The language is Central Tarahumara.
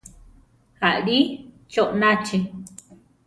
Alíi chónachi.